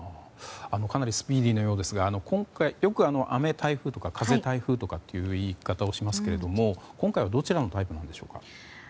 かなりスピーディーなようですがよく雨台風とか風台風という言い方をしますけれども今回はどちらのタイプなんでしょうか。